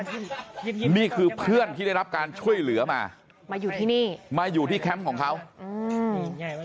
นี่คือเพื่อนที่ได้รับการช่วยเหลือมามาอยู่ที่นี่มาอยู่ที่แคมป์ของเขาอืม